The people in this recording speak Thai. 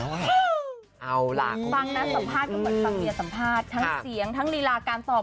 ทั้งเสียงทั้งรีนาการสอบ